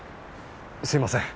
すいません。